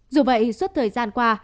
dù vậy suốt thời gian qua